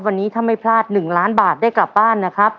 วันนี้ถ้าไม่พลาด๑ล้านบาทได้กลับบ้านนะครับ